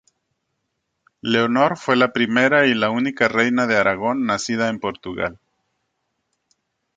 Leonor fue la primera y la única reina de Aragón nacida en Portugal.